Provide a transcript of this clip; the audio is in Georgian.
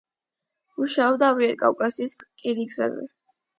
მუშაობდა ამიერკავკასიის რკინიგზაზე.